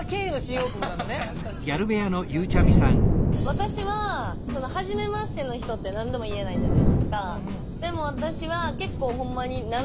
私は初めましての人って何でも言えないじゃないですか。